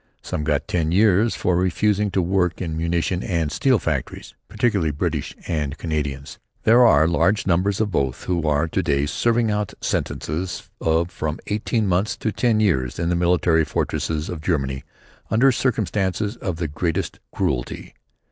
Some got ten years for refusing to work in munition and steel factories, particularly British and Canadians. There are large numbers of both who are to day serving out sentences of from eighteen months to ten years in the military fortresses of Germany under circumstances of the greatest cruelty.